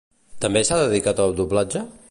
També s'ha dedicat al doblatge?